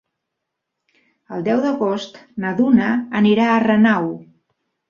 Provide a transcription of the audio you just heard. El deu d'agost na Duna anirà a Renau.